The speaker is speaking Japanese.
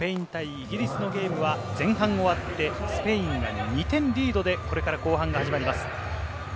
イギリスのゲームは前半終わってスペインが２点リードでこれから後半が始まります。